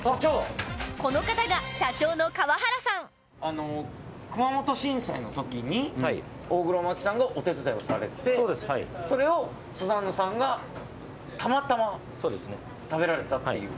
この方が熊本震災の時に大黒摩季さんがお手伝いをされてそれをスザンヌさんがたまたま食べられたっていう。